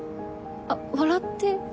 あっ笑って。